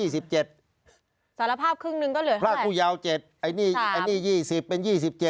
สารภาพครึ่งนึงก็เหลือเท่าไหร่ถ้าคู่ยาว๗ไอ้นี่๒๐เป็น๒๗